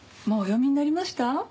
もうお読みになりました？